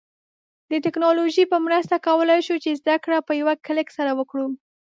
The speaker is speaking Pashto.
د ټیکنالوژی په مرسته کولای شو چې زده کړه په یوه کلیک سره وکړو